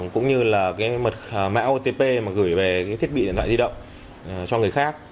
cũng như mạng otp gửi về thiết bị điện thoại di động cho người khác